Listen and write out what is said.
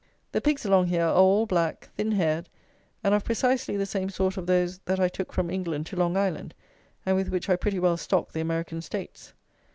The pigs along here are all black, thin haired, and of precisely the same sort of those that I took from England to Long Island, and with which I pretty well stocked the American states.